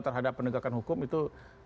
terhadap penegakan hukum itu